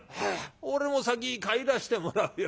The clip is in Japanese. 『俺も先に帰らしてもらうよ』